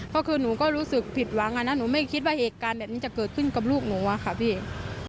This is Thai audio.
ก็คือหนูก็รู้สึกผิดหวังอะนะหนูไม่คิดว่าเหตุการณ์แบบนี้จะเกิดขึ้นกับลูกหนูอะค่ะพี่